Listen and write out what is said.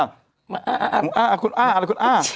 อ่าคุณอ่าอะไรคุณอ่า